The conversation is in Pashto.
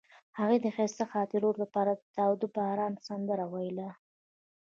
هغې د ښایسته خاطرو لپاره د تاوده باران سندره ویله.